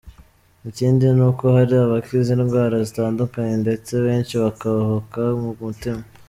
Ikindi ni uko hari abakize indwara zitandukanye ndetse benshi bakahoka mu mutima.